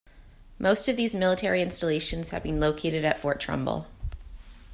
Most of these military installations have been located at Fort Trumbull.